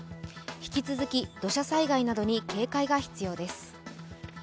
引き続き土砂災害などに警戒が必要です。